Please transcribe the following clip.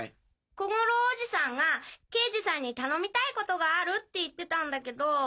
小五郎おじさんが刑事さんに頼みたいことがあるって言ってたんだけど。